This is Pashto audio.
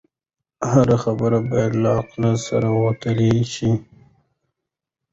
هره خبره باید له عقل سره وتلل شي.